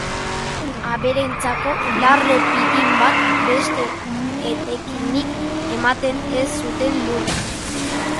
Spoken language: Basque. Abereentzako larre pitin bat beste etekinik ematen ez zuten lurrak.